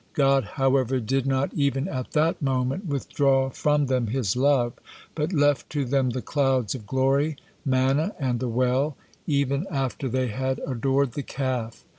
God, however, did not even at that moment withdraw from them His love, but left to them the clouds of glory, manna, and the well, even after they had adored the Calf.